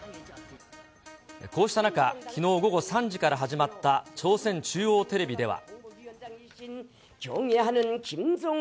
こうした中、きのう午後３時から始まった朝鮮中央テレビでは。